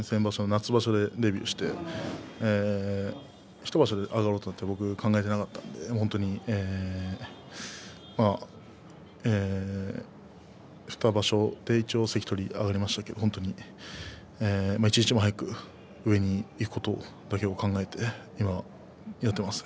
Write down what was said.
夏場所デビューして１場所で上がろうとは思っていなかったので本当に２場所で一応関取に上がれましたけれども一日も早く上にいくことだけを考えて今は、やっています。